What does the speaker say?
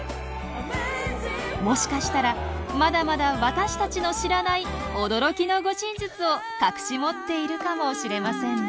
もしかしたらまだまだ私たちの知らない驚きの護身術を隠し持っているかもしれませんね。